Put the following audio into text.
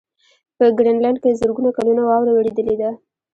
په ګرینلنډ کې زرګونه کلونه واوره ورېدلې ده.